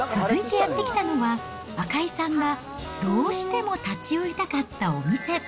続いてやって来たのは、赤井さんがどうしても立ち寄りたかったお店。